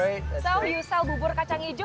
jadi anda menjual bubur kacang hijau